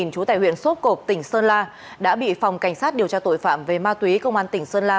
chú tại huyện sốp cộp tỉnh sơn la đã bị phòng cảnh sát điều tra tội phạm về ma túy công an tỉnh sơn la